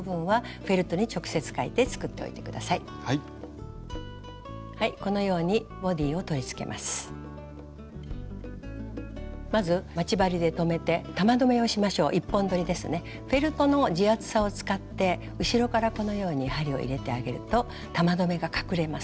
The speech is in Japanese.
フェルトの地厚さを使って後ろからこのように針を入れてあげると玉留めが隠れます。